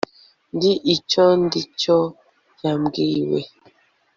ndi icyo ndi cyo yabwiwe